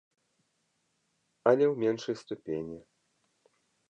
Але ў меншай ступені.